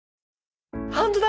本当だ！